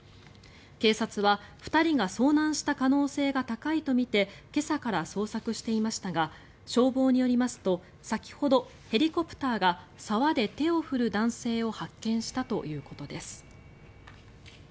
警察は、２人が遭難した可能性が高いとみて今朝から捜索していましたが消防によりますと先ほどヘリコプターが沢で手を振る男性を発見したということです。